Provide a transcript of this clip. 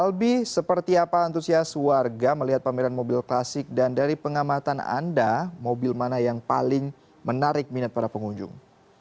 albi seperti apa antusias warga melihat pameran mobil klasik dan dari pengamatan anda mobil mana yang paling menarik minat para pengunjung